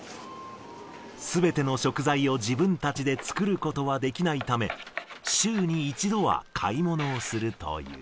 すべての食材を自分たちで作ることはできないため、週に１度は買い物をするという。